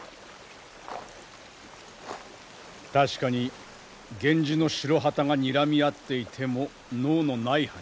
確かに源氏の白旗がにらみ合っていても能のない話じゃ。